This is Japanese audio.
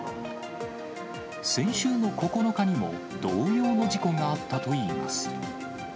先週の９日にも同様の事故があったといいます。